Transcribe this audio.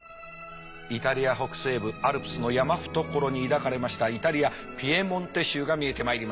イタリア北西部アルプスの山懐に抱かれましたイタリアピエモンテ州が見えてまいりました。